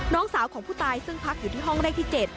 น้องสาวของผู้ตายซึ่งพักอยู่ที่ห้องเลขที่๗